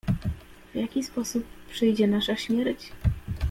"W jaki sposób przyjdzie nasza śmierć?"